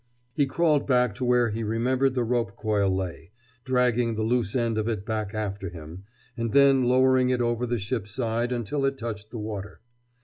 He crawled back to where he remembered the rope coil lay, dragging the loose end of it back after him, and then lowering it over the ship's side until it touched the water.